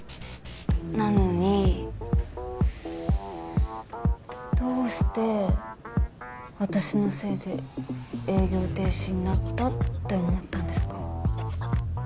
なのにどうして私のせいで営業停止になったって思ったんですか？